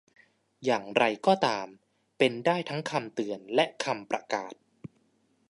อย่างไรก็ตาม เป็นได้ทั้งคำเตือนและคำประกาศ